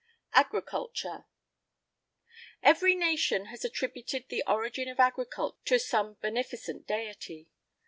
AGRICULTURE Every nation has attributed the origin of agriculture to some beneficent Deity.